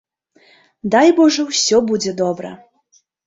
Дай божа, усё будзе добра.